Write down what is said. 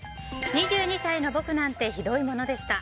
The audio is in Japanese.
２２歳の僕なんてひどいものでした。